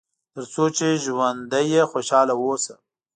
تر څو چې ژوندی یې خوشاله اوسه.